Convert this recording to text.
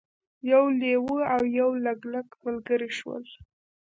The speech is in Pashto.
یو لیوه او یو لګلګ ملګري شول.